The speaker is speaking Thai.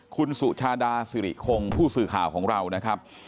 คุณสุชาดาสิริคงผู้สื่อข่าวของเรานะครับ